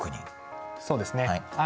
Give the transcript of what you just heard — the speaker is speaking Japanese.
そうですね。